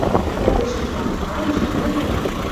Колеш южнам: «Анжы, ӹдӹр!